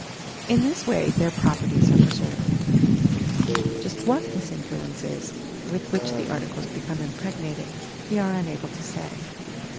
In this way their properties are preserved. Just what this influence is. with which the articles become impregnated, we are unable to say.